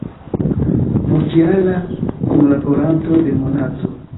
Multjara kunlaboranto de "Monato".